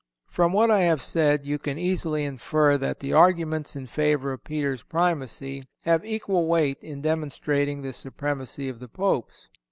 From what I have said you can easily infer that the arguments in favor of Peter's Primacy have equal weight in demonstrating the supremacy of the Popes.